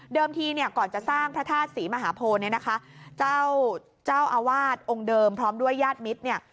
ทีเนี่ยก่อนจะสร้างพระธาตุศรีมหาโพเนี่ยนะคะเจ้าเจ้าอาวาสองค์เดิมพร้อมด้วยญาติมิตรเนี่ย